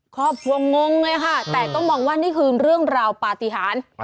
ครอบครัวงงเลยค่ะแต่ก็มองว่านี่คือเรื่องราวปฏิหาร